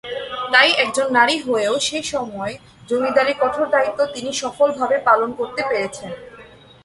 তাই একজন নারী হয়েও সে সময়ে জমিদারির কঠোর দায়িত্ব তিনি সফলভাবে পালন করতে পেরেছেন।